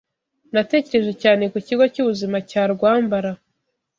Natekereje cyane ku Kigo cy’Ubuzima cyarwambara